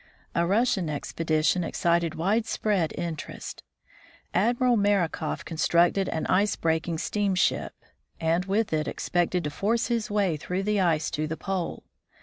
A Russian expedition excited widespread interest. Ad miral Marakoff constructed an ice breaking steamship, and iS4 EXPEDITIONS OF 1902 1 55 with it expected to force his way through the ice to the pole.